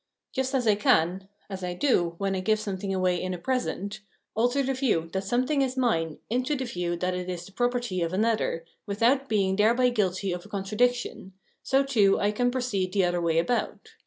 Just as I can — as I do, when I give something away in a present — alter the view that something is mine into the view that it is the property of another, with out being thereby guilty of a contradiction, so too I can proceed the other way about.